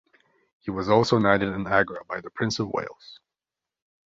He was also knighted in Agra by the Prince of Wales.